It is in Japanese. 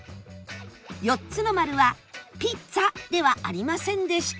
４つの丸は「ピッツァ」ではありませんでした